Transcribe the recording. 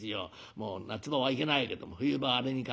もう夏場はいけないけども冬場はあれに限る。